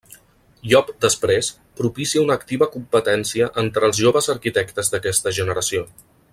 Llop després, propícia una activa competència entre els joves arquitectes d'aquesta generació.